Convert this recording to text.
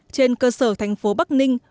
trên cơ sở thành phố bắc ninh